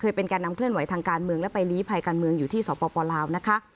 เป็นการนำเคลื่อนไหวทางการเมืองและไปลีภัยการเมืองอยู่ที่สปลาวนะคะ